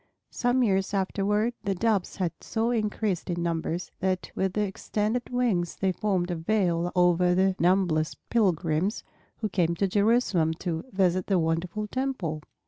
Some years afterward the Doves had so increased in numbers that with their extended wings they formed a veil over the numberless pilgrims who came to Jerusalem to visit the wonderful Temple.